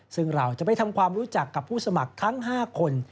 ซึ่งเราจะไปทำความรู้จักกับผู้สมัครทั้ง๕คน